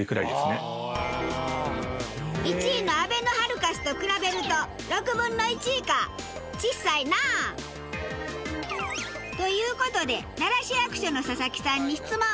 １位のあべのハルカスと比べると６分の１以下。ちっさいな。という事で奈良市役所の佐々木さんに質問。